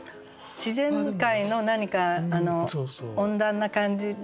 自然界の何か温暖な感じ